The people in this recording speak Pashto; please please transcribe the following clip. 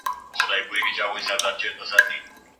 په لومړیو کې سپورت کول سخت احساسېږي.